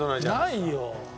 ないよ。